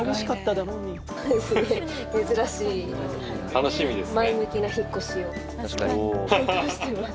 楽しみですね。